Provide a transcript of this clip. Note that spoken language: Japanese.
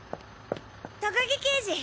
高木刑事！